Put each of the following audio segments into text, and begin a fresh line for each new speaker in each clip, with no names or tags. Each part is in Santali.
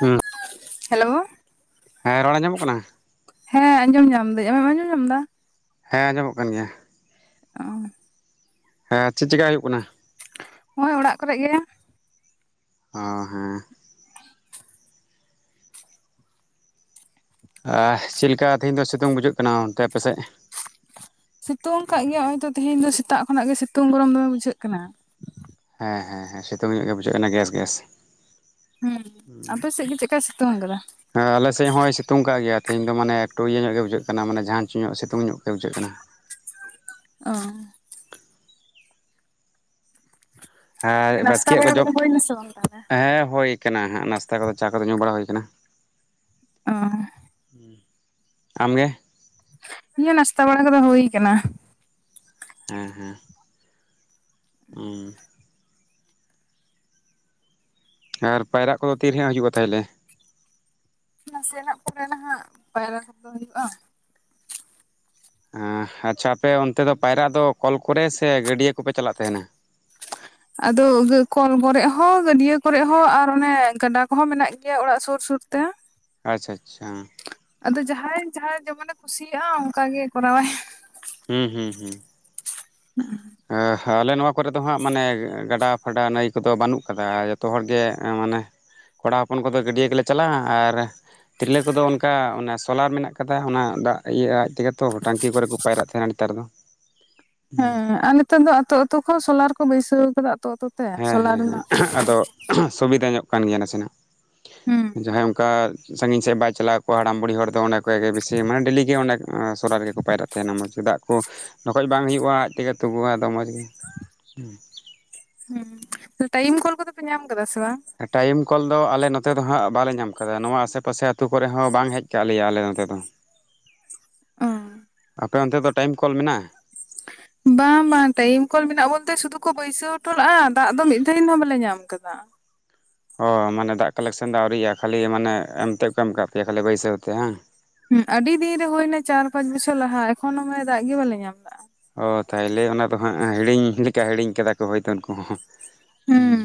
ᱦᱩᱸ
ᱦᱮᱞᱳ
ᱦᱮᱸ ᱨᱚᱲ ᱟᱡᱚᱢᱚᱜ ᱠᱟᱱᱟ?
ᱦᱮᱸ ᱟᱸᱡᱚᱢ ᱧᱟᱢ ᱫᱟᱹᱧ ᱟᱢᱮᱢ ᱟᱸᱡᱚᱢ ᱧᱟᱢ ᱮᱫᱟ?
ᱦᱮᱸ ᱟᱸᱡᱚᱢᱚᱜ ᱠᱟᱱ ᱜᱮᱭᱟ᱾
ᱚ
ᱦᱮᱸ ᱪᱮᱫ ᱪᱮᱠᱟᱭ ᱦᱩᱭᱩᱜ ᱠᱟᱱᱟ?
ᱦᱚᱦᱚᱭ ᱚᱲᱟᱜ ᱠᱚᱨᱮ ᱜᱮ᱾
ᱚ ᱦᱮᱸ ᱟᱨ ᱪᱮᱫ ᱞᱮᱠᱟ ᱛᱮᱦᱮᱧ ᱫᱚ ᱥᱤᱛᱩᱝ ᱵᱩᱡᱷᱟᱹᱜ ᱠᱟᱱᱟ ᱚᱱᱛᱮ ᱟᱯᱮᱥᱮᱫ?
ᱥᱤᱛᱩᱝ ᱠᱟᱜ ᱜᱮ ᱱᱚᱜᱚᱭ ᱛᱚ ᱛᱤᱦᱮᱧ ᱫᱚ ᱥᱮᱛᱟᱜ ᱠᱟᱜ ᱜᱮᱭᱟ ᱥᱤᱛᱩᱝ ᱜᱚᱨᱚᱢ ᱫᱚ ᱵᱩᱡᱷᱟᱹᱜ ᱠᱟᱱᱟ᱾
ᱦᱮᱸ ᱦᱮᱸ ᱦᱮᱸ ᱥᱤᱛᱩᱝ ᱧᱚᱜ ᱜᱮ ᱵᱩᱡᱷᱟᱹᱜ ᱠᱟᱱᱟ ᱜᱮᱥ ᱜᱮᱥ᱾
ᱦᱮᱸ ᱟᱯᱮ ᱥᱮᱫ ᱜᱮ ᱪᱮᱫᱞᱮᱠᱟᱭ ᱥᱤᱛᱩᱝ ᱟᱠᱟᱫᱟ
ᱦᱮᱸ ᱟᱞᱮᱥᱡᱮᱫ ᱦᱚᱸᱭ ᱥᱤᱛᱩᱝ ᱠᱟᱜ ᱜᱮᱭᱟ ᱛᱮᱦᱮᱧ ᱫᱚ ᱢᱟᱱᱮ ᱮᱠᱴᱩ ᱤᱭᱟᱹ ᱧᱚᱜ ᱜᱮ ᱵᱩᱡᱷᱟᱹᱜ ᱠᱟᱱᱟ ᱢᱟᱱᱮ ᱡᱷᱟᱸᱡᱽᱧᱚᱜ ᱥᱤᱛᱩᱝ ᱧᱚᱜ ᱜᱮ ᱵᱩᱡᱷᱟᱹᱜ ᱠᱟᱱᱟ᱾
ᱚ
ᱦᱮᱸ
ᱱᱟᱥᱛᱟ
ᱵᱟᱥᱠᱮᱭᱟᱜ ᱠᱚ
ᱵᱟᱲᱟ
ᱡᱚᱢ
ᱠᱚᱫᱚ ᱦᱩᱭᱱᱟ ᱥᱮ ᱵᱟᱝ ᱛᱟᱦᱚᱞᱮ
ᱦᱮᱸ ᱦᱩᱭ ᱠᱟᱱᱟ ᱦᱟᱸᱜ ᱱᱟᱥᱛᱟ ᱠᱚᱫᱚ ᱪᱟ ᱠᱚᱫᱚ ᱧᱩ ᱵᱟᱲᱟ ᱦᱩᱭ ᱠᱟᱱᱟ᱾
ᱚ
ᱟᱢ ᱜᱮ?
ᱱᱤᱭᱟᱹ ᱱᱟᱥᱛᱟ ᱵᱟᱲᱟ ᱠᱚᱫᱚ ᱦᱳᱭ ᱠᱟᱱᱟ᱾
ᱦᱮᱸ ᱦᱮᱸ᱾ ᱩᱸ ᱟᱨ ᱯᱟᱭᱨᱟᱜ ᱠᱚᱫᱚ ᱛᱤᱨᱮ ᱦᱟᱸᱜ ᱦᱩᱭᱩᱜᱼᱟ ᱛᱟᱦᱚᱞᱮ?
ᱱᱟᱥᱮᱱᱟᱜ ᱯᱚᱨᱮ ᱱᱟᱦᱟᱜ ᱯᱟᱭᱨᱟ ᱠᱚᱫᱚ ᱦᱩᱭᱩᱜᱼᱟ᱾
ᱟᱪᱪᱷᱟ, ᱟᱯᱮ ᱚᱱᱛᱮ ᱫᱚ ᱯᱟᱭᱨᱟᱜ ᱫᱚ ᱠᱚᱞ ᱠᱚᱨᱮ ᱥᱮ ᱜᱟᱹᱰᱭᱟᱹ ᱠᱚᱯᱮ ᱪᱟᱞᱟᱜ ᱛᱟᱦᱮᱱᱟ?
ᱟᱫᱚ ᱠᱚᱞ ᱠᱚᱨᱮ ᱦᱚᱸ ᱜᱟᱹᱰᱭᱟᱹ ᱠᱚᱨᱮ ᱦᱚᱸ ᱟᱨ ᱚᱱᱮ ᱜᱟᱰᱟ ᱠᱚᱦᱚᱸ ᱢᱮᱱᱟᱜ ᱜᱮᱭᱟ ᱚᱲᱟᱜ ᱥᱩᱨ ᱥᱩᱨ ᱛᱮ
ᱟᱪᱪᱷᱟ ᱟᱪᱪᱷᱟ᱾
ᱟᱫᱚ ᱡᱟᱦᱟᱸᱭ ᱡᱟᱦᱟᱸᱭ ᱡᱮᱢᱚᱱ ᱮ ᱠᱩᱥᱤᱭᱟᱜᱼᱟ ᱚᱱᱠᱟᱜᱮ ᱠᱚᱨᱟᱣᱼᱟᱭ᱾
ᱦᱩᱸ ᱦᱩᱸ ᱦᱩᱸ᱾
[unintelligible]
ᱟᱞᱮ ᱱᱚᱣᱟ ᱠᱚᱨᱮ ᱫᱚ ᱦᱟᱸᱜ ᱢᱟᱱᱮ ᱜᱟᱰᱟ ᱯᱷᱟᱰᱟ ᱱᱟᱹᱭ ᱠᱚᱫᱚ ᱵᱟᱹᱱᱩᱜ ᱠᱟᱫᱟ ᱡᱚᱛᱚ ᱦᱚᱲᱜᱮ ᱢᱟᱱᱮ ᱠᱚᱲᱟ ᱦᱚᱯᱚᱱ ᱠᱚᱫᱚ ᱜᱟᱹᱰᱭᱟᱹ ᱜᱮᱞᱮ ᱪᱟᱞᱟᱜᱼᱟ ᱟᱨ ᱛᱤᱨᱞᱟᱹ ᱠᱚᱫᱚ ᱚᱱᱠᱟ ᱚᱱᱟ ᱥᱳᱞᱟᱨ ᱢᱮᱱᱟᱜ ᱠᱟᱫᱟ ᱚᱱᱟ ᱫᱟᱜ ᱤᱭᱟᱹ ᱟᱡ ᱛᱮᱜᱮᱛᱚ ᱴᱟᱝᱠᱤ ᱠᱚᱨᱮ ᱠᱚ ᱯᱟᱭᱨᱟᱜ ᱛᱟᱦᱮᱸᱱᱟ ᱱᱮᱛᱟᱨ ᱫᱚ᱾
ᱦᱮᱸ ᱟᱨ ᱱᱤᱛᱟᱨ ᱫᱚ ᱟᱹᱛᱳ ᱟᱹᱛᱳ ᱦᱚᱸ ᱥᱳᱞᱟᱨ ᱠᱚ ᱵᱟᱹᱭᱥᱟᱹᱣ ᱟᱠᱟᱫᱟ ᱟᱹᱛᱳ ᱟᱹᱛᱳ᱾
ᱦᱮᱸ ᱦᱮᱸ ᱦᱮᱸ ᱟᱫᱚ ᱥᱩᱵᱤᱫᱟ ᱧᱚᱜ ᱠᱟᱱ ᱜᱮᱭᱟ ᱱᱟᱥᱮᱱᱟᱜ
ᱦᱩᱸ
ᱡᱟᱦᱟᱸᱭ ᱚᱱᱠᱟ ᱥᱟᱺᱜᱤᱧ ᱥᱮᱫ ᱵᱟᱭ ᱪᱟᱞᱟᱣ ᱠᱚᱜ ᱟ ᱦᱟᱲᱟᱢ ᱵᱩᱲᱦᱤ ᱫᱚ ᱚᱸᱰᱮ ᱠᱷᱚᱡᱟᱜ ᱜᱮ ᱵᱤᱥᱤ ᱢᱟᱱᱮ ᱰᱮᱞᱤ ᱜᱮ ᱚᱸᱰᱮ ᱥᱚᱞᱟᱨ ᱨᱮᱜᱮ ᱠᱚ ᱯᱟᱭᱨᱟᱜ ᱛᱟᱦᱮᱱᱟ ᱢᱚᱸᱡᱽ ᱫᱟᱜ ᱠᱚ ᱰᱷᱮᱠᱚᱡ ᱵᱟᱝ ᱦᱩᱭᱩᱜᱼᱟ ᱟᱡ ᱛᱮᱜᱮ ᱛᱩᱫᱩᱜ ᱟᱫᱚ ᱢᱚᱸᱡᱽ ᱜᱮ, [unintelligible]
ᱦᱩᱸ, ᱴᱟᱭᱤᱢ ᱠᱚᱞ ᱠᱚᱫᱚ ᱯᱮ ᱧᱟᱢ ᱠᱟᱫᱟ ᱥᱮ ᱵᱟᱝ?
ᱴᱟᱭᱤᱢ ᱠᱚᱞ ᱫᱚ ᱟᱞᱮ ᱱᱚᱛᱮ ᱫᱚ ᱦᱟᱸᱜ ᱵᱟᱞᱮ ᱧᱟᱢ ᱠᱟᱫᱟ ᱱᱚᱣᱟ ᱟᱥᱮ ᱯᱟᱥᱮ ᱟᱹᱛᱩ ᱠᱚᱨᱮ ᱦᱚᱸ ᱵᱟᱝ ᱦᱮᱡ ᱠᱟᱜ ᱞᱮᱭᱟ ᱟᱞᱮ ᱱᱚᱛᱮ ᱫᱚ᱾ ᱟᱯᱮ ᱚᱱᱛᱮ ᱫᱚ ᱴᱟᱭᱤᱢ ᱠᱚᱞ ᱢᱮᱱᱟᱜᱼᱟ?
ᱵᱟᱝ ᱵᱟᱝ ᱴᱟᱭᱤᱢ ᱠᱚᱞ ᱢᱮᱱᱟᱜ ᱵᱚᱞᱛᱮ ᱥᱩᱫᱩ ᱠᱚ ᱵᱟᱹᱭᱥᱟᱹᱣ ᱦᱚᱴᱚ ᱞᱮᱫᱼᱟ ᱫᱟᱜ ᱫᱚ ᱢᱤᱫ ᱫᱷᱟᱹᱣ ᱦᱚᱸ ᱵᱟᱞᱮ ᱧᱟᱢ ᱟᱠᱟᱫᱟ᱾
ᱚ ᱢᱟᱱᱮ ᱫᱟᱜ ᱠᱟᱞᱮᱠᱥᱮᱱ ᱫᱚ ᱟᱹᱣᱨᱤᱜᱼᱟ ᱠᱷᱟᱹᱞᱤ ᱢᱟᱱᱮ ᱮᱢ ᱛᱮᱫ ᱠᱚ ᱮᱢ ᱟᱠᱟᱫ ᱯᱮᱭᱟ ᱠᱷᱟᱹᱞᱤ ᱵᱟᱹᱭᱥᱟᱹᱣ ᱛᱮ ᱦᱮᱸ᱾
ᱦᱮᱸ ᱟᱹᱰᱤ ᱫᱤᱱ ᱨᱮ ᱦᱳᱭᱱᱟ ᱪᱟᱨ ᱯᱟᱸᱪ ᱵᱚᱪᱷᱚᱨ ᱞᱟᱦᱟ ᱮᱠᱷᱚᱱ ᱮ ᱫᱟᱜ ᱜᱮ ᱵᱟᱞᱮ ᱧᱟᱢ ᱮᱫᱟ᱾
ᱚ ᱛᱟᱦᱚᱞᱮ ᱚᱱᱟ ᱫᱚ ᱦᱟᱸᱜ ᱦᱤᱲᱤᱧ ᱞᱮᱠᱟ ᱦᱤᱲᱤᱧ ᱠᱟᱫᱟ ᱠᱚ ᱦᱳᱭᱛᱳ ᱩᱱᱠᱩ ᱦᱚᱸ᱾
ᱦᱩᱸ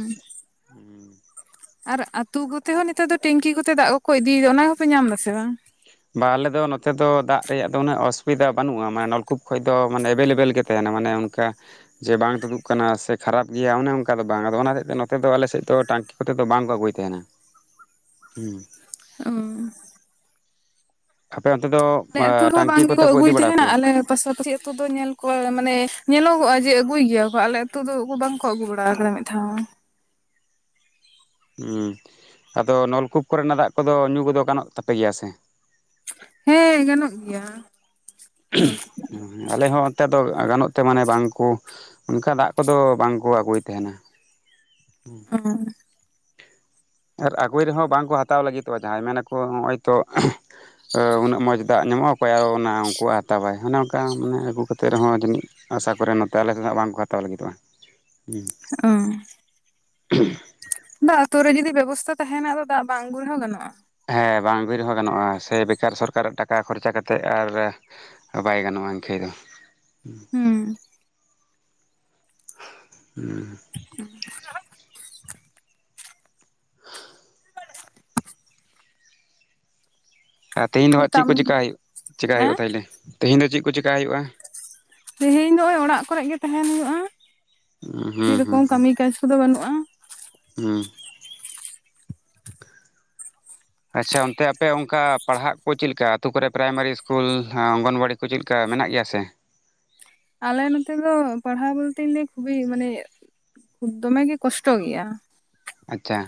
ᱟᱨ ᱟᱹᱛᱩ ᱠᱚᱛᱮ ᱦᱚᱸ ᱱᱮᱛᱟᱨ ᱫᱚ ᱴᱮᱝᱠᱤ ᱠᱚᱛᱮ ᱫᱟᱜ ᱠᱚᱠᱚ ᱤᱫᱤᱭᱮᱫᱟ᱾ ᱚᱱᱟ ᱠᱚᱯᱮ ᱧᱟᱢ ᱮᱫᱟ ᱥᱮ ᱵᱟᱝ?
ᱵᱟ ᱟᱞᱮ ᱫᱚ ᱱᱚᱛᱮ ᱫᱚ ᱫᱟᱜ ᱨᱮᱭᱟᱜ ᱫᱚ ᱩᱱᱟᱹᱜ ᱚᱥᱩᱵᱤᱫᱟ ᱵᱟᱹᱱᱩᱜᱼᱟ ᱢᱟᱱᱮ ᱱᱚᱞᱠᱩᱯ ᱠᱷᱚᱱ ᱫᱚ ᱢᱟᱱᱮ ᱮᱵᱮᱞᱮᱵᱮᱞ ᱜᱮ ᱛᱟᱦᱮᱱᱟ ᱢᱟᱱᱮ ᱚᱱᱠᱟ ᱡᱮ ᱵᱟᱝ ᱛᱩᱫᱩᱜ ᱠᱟᱱᱟ ᱥᱮ ᱠᱷᱟᱨᱟᱯ ᱜᱮᱭᱟ ᱚᱱᱮ ᱚᱱᱠᱟ ᱫᱚ ᱵᱟᱝ ᱟᱫᱚ ᱚᱱᱟ ᱦᱚᱛᱮᱡ ᱛᱮ ᱱᱚᱛᱮ ᱫᱚ ᱟᱞᱮᱥᱮᱫ ᱫᱚ ᱴᱟᱝᱠᱤ ᱠᱚᱛᱮᱫ ᱫᱚ ᱵᱟᱝ ᱠᱚ ᱟᱹᱜᱩᱭ ᱛᱟᱦᱮᱱᱟ᱾ ᱦᱩᱸ᱾
ᱚᱸ
ᱟᱯᱮ ᱚᱱᱛᱮ ᱫᱚ
ᱟᱞᱮ ᱟᱹᱛᱩ ᱨᱮᱦᱚᱸ
ᱴᱟᱝᱠᱤ
ᱵᱟᱝᱠᱚ
ᱠᱚᱛᱮ ᱠᱚ ᱤᱫᱤ
ᱟᱹᱜᱩᱭ
ᱵᱟᱲᱟ
ᱛᱟᱦᱮᱱᱟ
ᱯᱮᱭᱟ
ᱟᱞᱮ ᱯᱟᱥᱟᱯᱟᱹᱥᱤ ᱟᱹᱛᱩ ᱫᱚ ᱧᱮᱞ ᱠᱚᱣᱟ ᱢᱟᱱᱮ ᱧᱮᱞᱚᱜᱚᱜᱼᱟ ᱡᱮ ᱟᱹᱜᱩᱭ ᱜᱮᱭᱟ ᱠᱚ ᱟᱞᱮ ᱟᱹᱛᱩ ᱫᱚ ᱵᱟᱝ ᱵᱟᱠᱚ ᱟᱹᱜᱩ ᱵᱟᱲᱟ ᱠᱟᱫᱟ ᱢᱤᱫᱫᱷᱟᱣ ᱦᱚᱸ᱾
ᱟᱫᱚ, ᱱᱚᱞᱠᱩᱯ ᱠᱚᱨᱮᱱᱟᱜ ᱫᱟᱜ ᱠᱚᱫᱚ ᱧᱩ ᱠᱚᱫᱚ ᱜᱟᱱᱚᱜ ᱛᱟᱯᱮ ᱜᱮᱭᱟ ᱥᱮ?
ᱦᱮᱸ ᱜᱟᱱᱚᱜ ᱜᱮᱭᱟ᱾
ᱟᱞᱮ ᱦᱚᱸ ᱚᱱᱛᱮ ᱫᱚ ᱜᱟᱱᱚᱜ ᱛᱮ ᱢᱟᱱᱮ ᱵᱟᱝ ᱠᱚ ᱚᱱᱠᱟ ᱫᱟᱜ ᱠᱚᱫᱚ ᱵᱟᱝ ᱠᱚ ᱟᱹᱜᱩᱭ ᱛᱟᱦᱮᱱᱟ᱾
ᱚ
ᱟᱨ ᱟᱹᱜᱩᱭ ᱨᱮᱦᱚᱸ ᱵᱟᱝᱠᱚ ᱦᱟᱛᱟᱣ ᱞᱟᱹᱜᱤᱫᱚᱜᱼᱟ ᱡᱟᱦᱟᱸᱭ ᱢᱮᱱ ᱟᱠᱚ ᱱᱚᱜᱼᱚᱭ ᱛᱚ ᱩᱱᱟᱹᱜ ᱢᱚᱸᱡᱽ ᱫᱟᱜ ᱧᱟᱢᱚᱜᱼᱟ ᱚᱠᱚᱭ ᱟᱨᱚ ᱚᱱᱟ ᱩᱱᱠᱩᱣᱟᱜ ᱦᱟᱛᱟᱣ ᱟᱭ ᱚᱱᱮ ᱚᱱᱠᱟ ᱢᱟᱱᱮ ᱟᱹᱜᱩ ᱠᱟᱛᱮᱜ ᱨᱮᱦᱚᱸ ᱡᱟᱹᱱᱤᱡ ᱟᱥᱟ ᱠᱚᱨᱮ ᱱᱚᱛᱮ ᱟᱞᱮ ᱥᱮᱫ ᱫᱚ ᱦᱟᱸᱜ ᱵᱟᱝᱠᱚ ᱦᱟᱛᱟᱣ ᱞᱟᱹᱜᱤᱫᱚᱜᱼᱟ᱾ ᱦᱩᱸ,
ᱫᱟᱜ ᱟᱛᱩ ᱨᱮᱜᱮ ᱡᱩᱫᱤ ᱵᱮᱵᱚᱥᱛᱟ ᱛᱟᱦᱮᱸᱱᱟ, ᱟᱫᱚ ᱫᱟᱜ ᱵᱟᱝ ᱟᱜᱩ ᱨᱮ ᱦᱚᱸ ᱜᱟᱱᱚᱜᱼᱟ᱾
ᱦᱮᱸ ᱵᱟᱝ ᱟᱜᱩ ᱨᱮᱦᱚᱸ ᱜᱟᱱᱚᱜᱼᱟ ᱥᱮ ᱵᱮᱠᱟᱨ ᱥᱚᱨᱠᱟᱨᱟᱜ ᱴᱟᱠᱟ ᱠᱷᱚᱨᱪᱟ ᱠᱟᱛᱮᱫ ᱟᱨ ᱵᱟᱭ ᱜᱟᱱᱚᱜᱼᱟ ᱤᱱᱠᱷᱟᱹᱭ ᱫᱚ᱾ ᱦᱩᱸ, [inaudible] ᱦᱩᱸ᱾ ᱟᱨ ᱛᱮᱦᱮᱧ ᱫᱚ ᱦᱟᱸᱜ ᱪᱮᱫ
ᱠᱟᱢ
ᱠᱚ ᱪᱮᱠᱟ ᱦᱩᱭᱩᱜ ᱪᱮᱠᱟᱭ
ᱦᱮᱸ
ᱦᱩᱭᱩᱜᱼᱟ ᱛᱟᱦᱚᱞᱮ, ᱛᱮᱦᱮᱧ ᱫᱚ ᱪᱮᱫ ᱠᱚ ᱪᱮᱠᱟᱭ ᱦᱩᱭᱩᱜᱼᱟ?
ᱛᱮᱦᱮᱧ ᱫᱚ ᱱᱚᱜᱼᱚᱭ ᱚᱲᱟᱜ ᱠᱚᱨᱮᱜ ᱜᱮ ᱛᱟᱦᱮᱸᱱ ᱦᱩᱭᱩᱜᱼᱟ᱾
ᱦᱩᱸ ᱦᱩᱸ
ᱥᱮᱨᱚᱠᱚᱢ ᱠᱟᱢᱤ ᱠᱟᱡᱽ ᱠᱚᱫᱚ ᱵᱟᱹᱱᱩᱜᱼᱟ᱾
ᱦᱩᱸ᱾ ᱟᱪᱪᱷᱟ ᱚᱱᱛᱮ ᱟᱯᱮ ᱚᱱᱠᱟ ᱯᱟᱲᱦᱟᱜ ᱠᱚ ᱪᱮᱞᱠᱟ, ᱟᱛᱩ ᱠᱚᱨᱮ ᱯᱨᱟᱭᱢᱟᱨᱤ ᱤᱥᱠᱩᱞ ᱦᱟᱸ ᱚᱝᱜᱚᱱᱵᱟᱲᱤ ᱠᱚ ᱪᱮᱞᱠᱟ ᱢᱮᱱᱟᱜ ᱜᱮᱭᱟ ᱥᱮ?
ᱟᱞᱮ ᱱᱚᱛᱮ ᱫᱚ ᱯᱟᱲᱦᱟᱣ ᱵᱚᱞᱛᱮ ᱞᱟᱹᱭ ᱠᱷᱩᱵᱮᱭ ᱢᱟᱱᱮ ᱫᱚᱢᱮ ᱜᱮ ᱠᱚᱥᱴᱚ ᱜᱮᱭᱟ᱾
ᱟᱪᱪᱷᱟ᱾